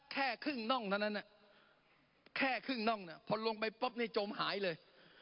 แค่ครึ่งน่องเท่านั้นแค่ครึ่งน่องพอลงไปปุ๊บนี่จมหายเลย